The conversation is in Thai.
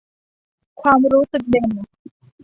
ความรู้สึกเด่น